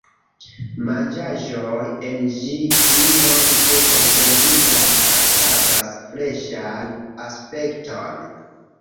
Manĝaĵoj en ĝi pli longe konserviĝas kaj havas freŝan aspekton.